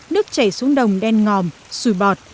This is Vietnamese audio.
nước chảy xuống đồng đen ngòm xùi bọt